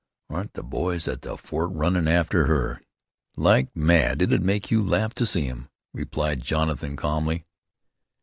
Aren't the boys at the fort runnin' arter her?" "Like mad; it'd make you laugh to see 'em," replied Jonathan calmly.